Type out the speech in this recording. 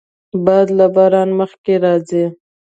باد له باران مخکې راځي